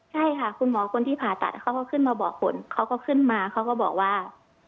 ใช่ค่ะคุณหมอคนที่ผ่าตัดเขาก็ขึ้นมาบอกผลเขาก็ขึ้นมาเขาก็บอกว่า